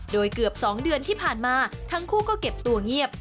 โดยเกือบ๒เดือนที่ผ่านมาทั้งคู่ก็เก็บตัวเงียบ